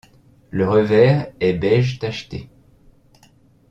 Le revers est beige tacheté.